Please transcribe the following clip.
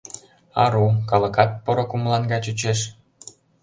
Ару, калыкат поро кумылан гай чучеш.